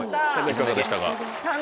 いかがでしたか？